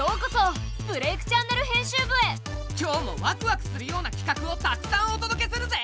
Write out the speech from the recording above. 今日もワクワクするようなきかくをたくさんお届けするぜ！